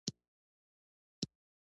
خپله اسلاحه دې دلته کېږده.